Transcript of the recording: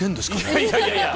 いやいやいやいや。